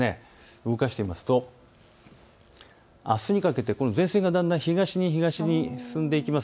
動かしてみますとあすにかけて前線がだんだん東に東に進んでいきます。